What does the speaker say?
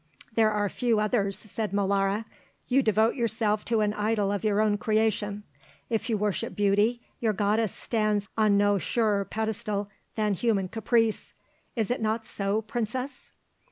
"There are few others," said Molara; "you devote yourself to an idol of your own creation. If you worship beauty, your goddess stands on no surer pedestal than human caprice. Is it not so, Princess?"